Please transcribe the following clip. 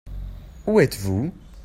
Où êtes-vous ?